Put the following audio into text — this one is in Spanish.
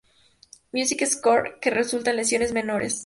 Music Core, que resulta en lesiones menores.